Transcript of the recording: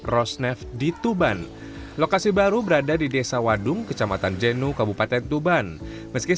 rosnef di tuban lokasi baru berada di desa wadung kecamatan jenu kabupaten tuban meski